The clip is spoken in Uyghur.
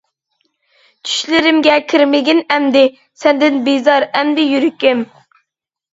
چۈشلىرىمگە كىرمىگىن ئەمدى، سەندىن بىزار ئەمدى يۈرىكىم.